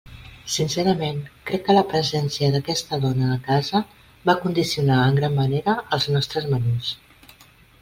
Sincerament, crec que la presència d'aquesta dona a casa va condicionar en gran manera els nostres menús.